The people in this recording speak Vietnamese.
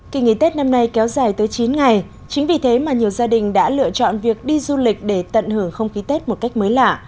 kỳ nghỉ tết năm nay kéo dài tới chín ngày chính vì thế mà nhiều gia đình đã lựa chọn việc đi du lịch để tận hưởng không khí tết một cách mới lạ